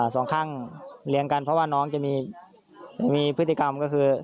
สองข้างเลี้ยงกันเพราะว่าน้องจะมีพฤติกรรมก็คือ